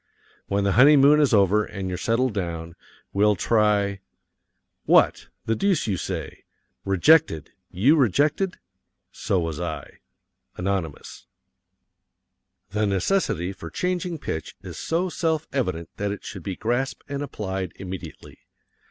When the honeymoon is over and you're settled down, we'll try What? the deuce you say! Rejected you rejected? So was I. Anonymous. The necessity for changing pitch is so self evident that it should be grasped and applied immediately.